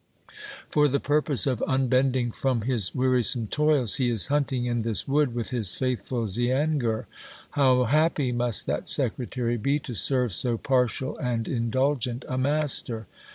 For the purpose of unbending from his wearisome toils, he is hunt ing in this wood with his faithful Zeangir. How happy must that secretary be, to serve so partial and indulgent a master